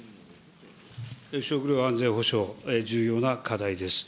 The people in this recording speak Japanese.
食料安全保障、重要な課題です。